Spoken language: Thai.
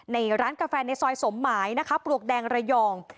ในร้านกาแฟในซอยสมหมายนะคะปลวกแดงระยอง